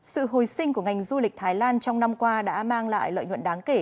sự hồi sinh của ngành du lịch thái lan trong năm qua đã mang lại lợi nhuận đáng kể